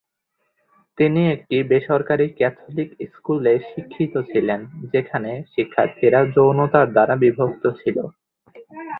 তিনি একটি বেসরকারী ক্যাথলিক স্কুলে শিক্ষিত ছিলেন যেখানে শিক্ষার্থীরা যৌনতার দ্বারা বিভক্ত ছিল।